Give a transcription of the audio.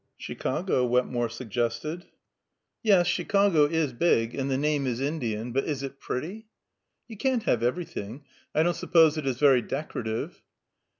"Chicago," Wetmore suggested. "Yes, Chicago is big, and the name is Indian; but is it pretty?" "You can't have everything. I don't suppose it is very decorative."